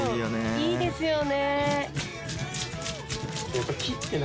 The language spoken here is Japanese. いいですよね。